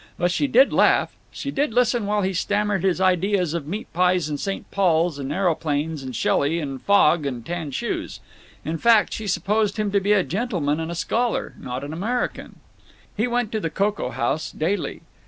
But she did laugh; she did listen while he stammered his ideas of meat pies and St. Paul's and aeroplanes and Shelley and fog and tan shoes. In fact, she supposed him to be a gentleman and scholar, not an American. He went to the cocoa house daily.